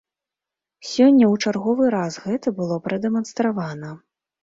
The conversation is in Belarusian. Сёння ў чарговы раз гэта было прадэманстравана.